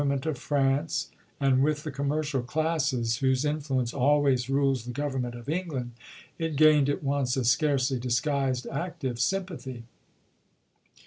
meut of France, and with the commercial classes whose influence always rules the Government of England, it gained at once a scarcely disguised active sympathy.